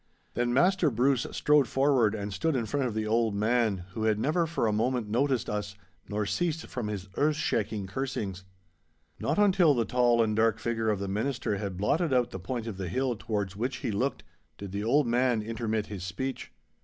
Then Maister Bruce strode forward and stood in front of the old man, who had never for a moment noticed us nor ceased from his earth shaking cursings. Not until the tall and dark figure of the Minister had blotted out the point of the hill towards which he looked, did the old man intermit his speech.